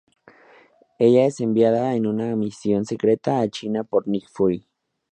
Ella es enviada en una misión secreta a China por Nick Fury.